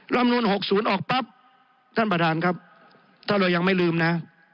รัฐบาลนูนหกศูนย์ออกปั๊บท่านประธานครับถ้าเรายังไม่ลืมนะ